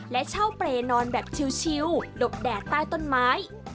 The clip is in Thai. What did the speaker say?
และเช่าเปรย์นอนแบบชิวดบแดดใต้ต้นไม้